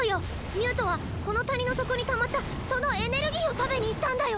ミュートはこの谷の底にたまったそのエネルギーを食べに行ったんだよ！